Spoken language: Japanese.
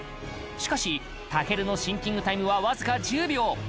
しかし、健のシンキングタイムは僅か１０秒。